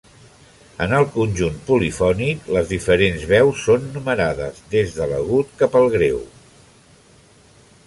En el conjunt polifònic, les diferents veus són numerades des de l'agut cap al greu.